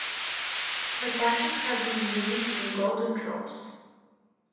My passions have been loosed in golden drops.